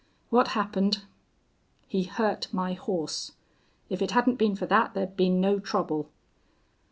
"What happened?" "He hurt my horse. If it hadn't been for that there'd been no trouble."